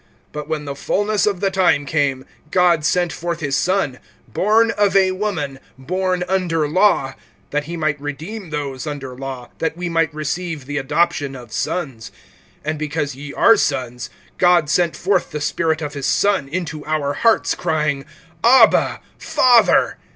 (4)But when the fullness of the time came, God sent forth his son, born of a woman, born under law, (5)that he might redeem those under law, that we might receive the adoption of sons. (6)And because ye are sons, God sent forth the Spirit of his Son into our hearts, crying, Abba, Father.